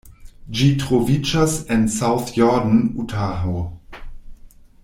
Ĝi troviĝas en South Jordan, Utaho.